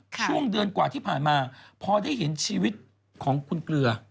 ช่วงเดือนกว่าที่ผ่านมาพอได้เห็นชีวิตของคุณเกลือ